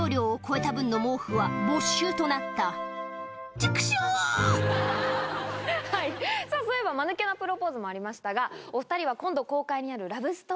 結局はいさぁそういえばマヌケなプロポーズもありましたがお２人は。